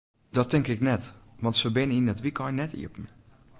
Dat tink ik net, want se binne yn it wykein net iepen.